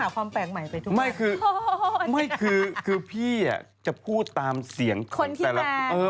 ก็พูดตามขึ้นไง